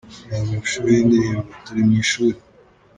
Reba amashusho y’indirimbo "Turi mu ishuri".